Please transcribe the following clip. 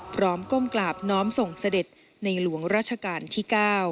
ก้มกราบน้อมส่งเสด็จในหลวงราชการที่๙